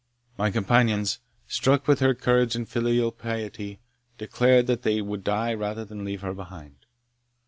My companions, struck with her courage and filial piety, declared that they would die rather than leave her behind.